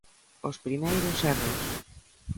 Os primeiros erros.